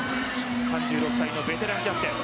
３６歳のベテランキャプテン。